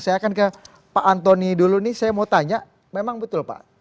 saya akan ke pak antoni dulu nih saya mau tanya memang betul pak